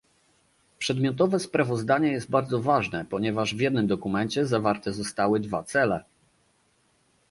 Przedmiotowe sprawozdanie jest bardzo ważne, ponieważ w jednym dokumencie zawarte zostały dwa cele